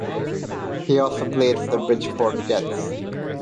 He also played for the Bridgeport Jets.